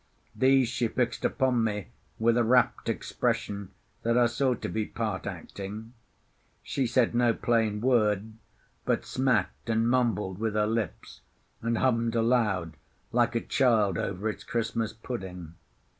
These she fixed upon me with a rapt expression that I saw to be part acting. She said no plain word, but smacked and mumbled with her lips, and hummed aloud, like a child over its Christmas pudding.